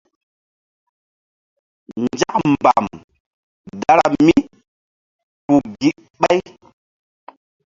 Nzak mbam dara míku gíɓay.